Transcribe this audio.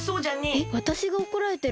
えっわたしがおこられてるの？